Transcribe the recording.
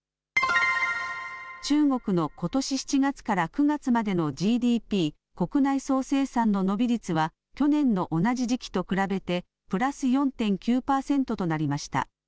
中国のことし７月から９月までのＧＤＰ・国内総生産の伸び率は去年の同じ時期と比べてプラス４．９％となりました。